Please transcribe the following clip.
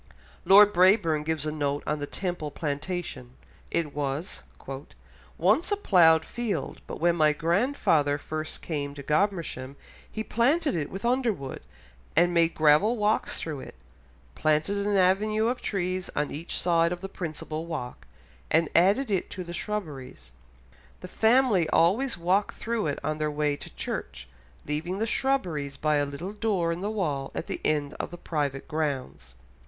Lord Brabourne gives a note on the Temple Plantation, it was "once a ploughed field, but when my grandfather first came to Godmersham, he planted it with underwood, and made gravel walks through it, planted an avenue of trees on each side of the principal walk, and added it to the shrubberies. The family always walked through it on their way to church, leaving the shrubberies by a little door in the wall at the end of the private grounds."